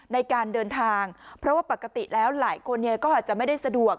ในการเดินทางเพราะว่าปกติแล้วหลายคนก็อาจจะไม่ได้สะดวก